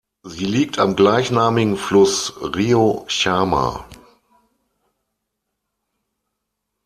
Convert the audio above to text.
Sie liegt am gleichnamigen Fluss Rio Chama.